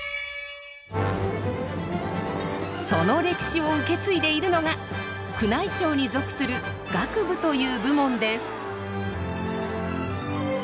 その歴史を受け継いでいるのが宮内庁に属する楽部という部門です。